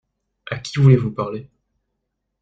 À qui voulez-vous parler ?